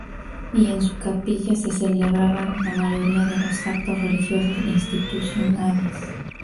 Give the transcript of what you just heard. Y en su capilla se celebraban la mayoría de los actos religiosos institucionales.